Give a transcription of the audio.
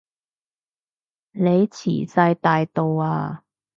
你遲哂大到啊